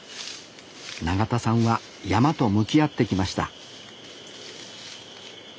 永田さんは山と向き合ってきました